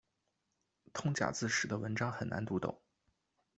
通假字使得文章很难读懂。